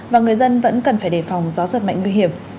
và người dân vẫn cần phải đề phòng gió giật mạnh nguy hiểm